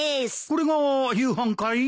これが夕飯かい？